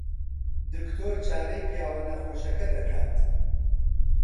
دکتۆر چارەی پیاوە نەخۆشەکە دەکات.